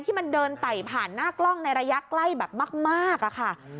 ที่มันเดินไต่ผ่านหน้ากล้องในระยะใกล้แบบมากอะค่ะ